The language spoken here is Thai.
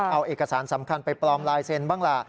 เอาเอกสารสำคัญไปปลอมลายเซ็นต์บ้างล่ะ